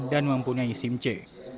dan mempunyai sikap yang lebih baik